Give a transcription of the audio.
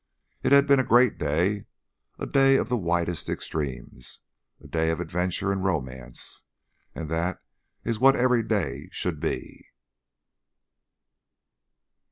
It had been a great day, a day of the widest extremes, a day of adventure and romance. And that is what every day should be.